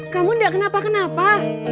kamu gak kenapa kenapa